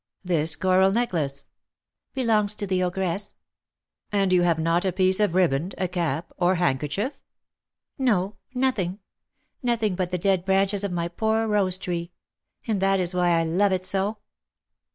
"This coral necklace?" "Belongs to the ogress." "And you have not a piece of riband, a cap, or handkerchief?" "No, nothing, nothing but the dead branches of my poor rose tree; and that is why I love it so."